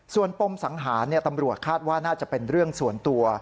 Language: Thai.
ส่วนปมสังหารตำรวจคาดว่าน่าจะเป็นเรื่องส่วนตัว